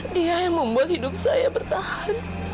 dia yang membuat hidup saya bertahan